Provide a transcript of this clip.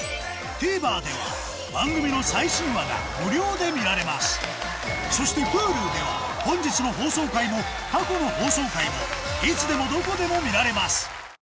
ＴＶｅｒでは番組の最新話が無料で見られますそしてＨｕｌｕでは本日の放送回も過去の放送回もいつでもどこでも見られます